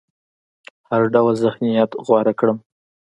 هر ډول ذهنيت غوره کړم.